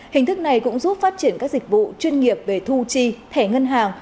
hình thức này cũng giúp phát triển các dịch vụ chuyên nghiệp về thu chi thẻ ngân hàng